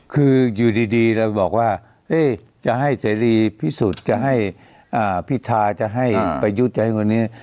คืออยู่ดีเราบอกว่าจะให้เสรีพิสูจน์จะให้พิธาจะให้ประยุทธ์จะให้คนนี้